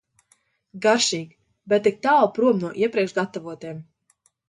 Garšīgi, bet tik tālu prom no iepriekš gatavotiem.